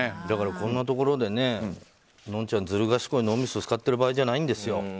だからこんなところでのんちゃんずる賢い脳みそを使ってる場合じゃないですよ。